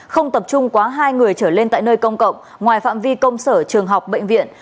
không tập trung quá hai người trở lên tại nơi công cộng ngoài phạm vi công sở trường học bệnh viện